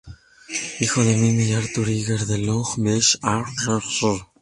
Hijo de Mimi y Arthur Iger de Long Beach, Long Island.